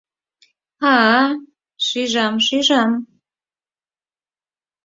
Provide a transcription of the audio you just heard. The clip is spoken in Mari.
— А-а, шижам, шижам...